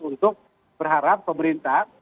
untuk berharap pemerintah